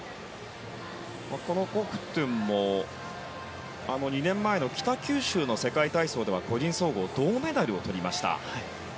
このコフトゥンも２年前の北九州の世界体操では個人総合銅メダルをとりました。